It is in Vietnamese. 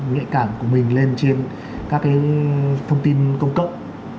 nghệ cảm của mình lên trên các cái thông tin công cộng